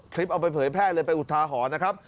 เอาไปเผยแพร่เลยไปอุทาหรณ์นะครับ